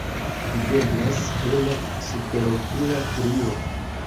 Videblas hela superokula strio.